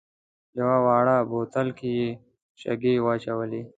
یوه واړه بوتل کې یې شګې واچولې.